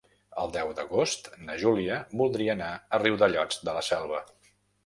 El deu d'agost na Júlia voldria anar a Riudellots de la Selva.